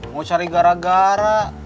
mau cari gara gara